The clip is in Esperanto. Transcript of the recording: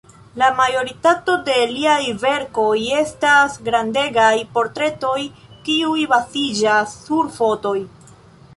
La majoritato de liaj verkoj estas grandegaj portretoj, kiuj baziĝas sur fotoj.